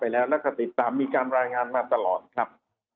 แล้วแล้วก็ติดตามมีการรายงานมาตลอดครับ